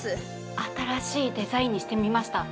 新しいデザインにしてみました。